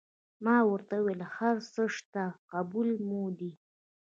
ما ورته وویل: هر څه چې شته قبول مو دي.